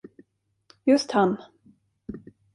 Just han.